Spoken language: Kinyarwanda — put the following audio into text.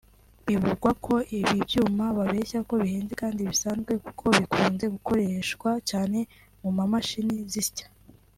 Bivugwa ko ibi byuma babeshya ko bihenze kandi bisanzwe kuko bikunze gukoreshwa cyane mu mamashini zisya